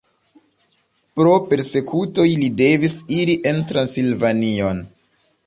Pro persekutoj li devis iri en Transilvanion.